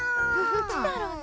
どっちだろうね？